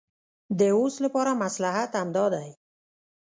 د اوس لپاره مصلحت همدا دی.